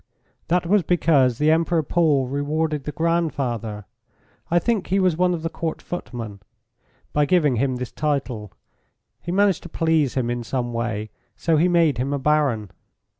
"That was because the Emperor Paul rewarded the grandfather I think he was one of the Court footmen by giving him this title. He managed to please him in some way, so he made him a baron.